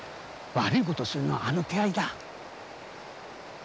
悪い事をするのはあの手合いだ。